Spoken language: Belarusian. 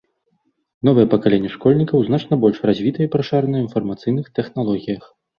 Новае пакаленне школьнікаў значна больш развітае і прашаранае ў інфармацыйных тэхналогіях.